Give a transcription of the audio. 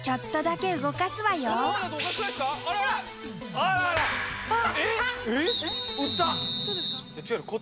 あっ！